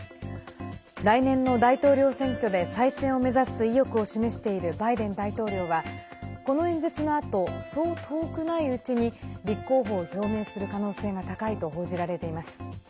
来年の大統領選挙で再選を目指す意欲を示しているバイデン大統領はこの演説のあとそう遠くないうちに立候補を表明する可能性が高いと報じられています。